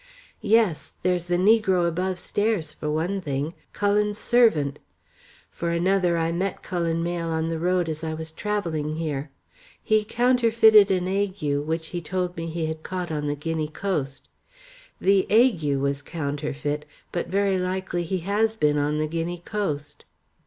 "Yes. There's the negro above stairs for one thing, Cullen's servant. For another I met Cullen Mayle on the road as I was travelling here. He counterfeited an ague, which he told me he had caught on the Guinea coast. The ague was counterfeit, but very likely he has been on the Guinea coast."